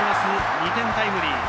２点タイムリー。